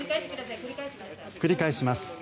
繰り返します。